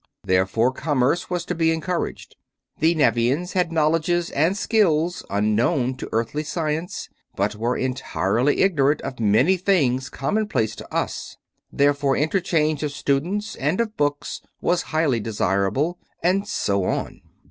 Therefore commerce was to be encouraged. The Nevians had knowledges and skills unknown to Earthly science, but were entirely ignorant of many things commonplace to us. Therefore interchange of students and of books was highly desirable. And so on.